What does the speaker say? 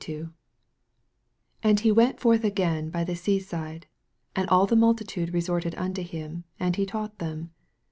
13 And he went forth again by the sea side ; and all the multitude re eorted unto him, and he taught them.